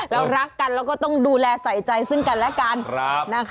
รักกันแล้วก็ต้องดูแลใส่ใจซึ่งกันและกัน